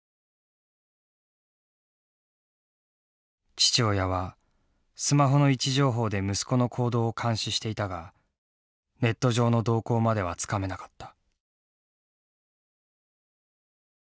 父親はスマホの位置情報で息子の行動を監視していたがネット上の動向まではつかめなかった。